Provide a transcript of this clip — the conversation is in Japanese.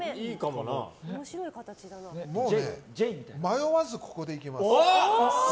もうね、迷わずここでいきます。